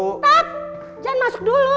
stop jangan masuk dulu